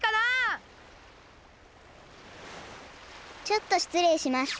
ちょっとしつれいします。